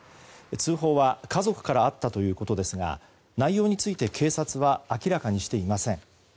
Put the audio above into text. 通報は家族からあったということですが内容について警察は明らかにしていません。